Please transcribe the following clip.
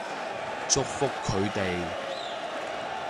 祝福佢哋